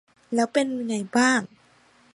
แล้วเป็นไงบ้าง